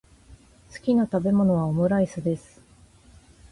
好きな食べ物はオムライスです。